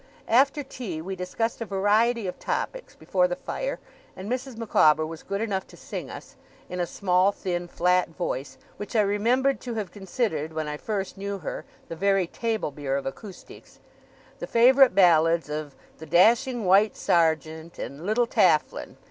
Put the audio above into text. After tea, we discussed a variety of topics before the fire; and Mrs. Micawber was good enough to sing us (in a small, thin, flat voice, which I remembered to have considered, when I first knew her, the very table beer of acoustics) the favourite ballads of 'The Dashing White Sergeant', and 'Little Tafflin'.